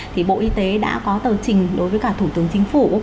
thì bộ y tế đã có tờ trình đối với cả thủ tướng chính phủ